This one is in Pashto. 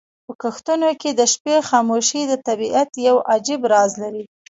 په کښتونو کې د شپې خاموشي د طبیعت یو عجیب راز لري.